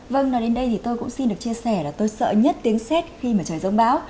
vâng nói đến đây thì tôi cũng xin được chia sẻ là tôi sợ nhất tiếng xét khi trời giông bà